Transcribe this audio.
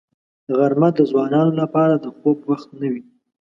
غرمه د ځوانانو لپاره د خوب وخت نه وي